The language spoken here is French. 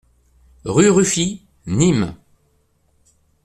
Rue Ruffi, Nîmes